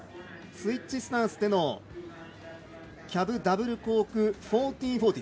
スイッチスタンスでのキャブダブルコーク１４４０。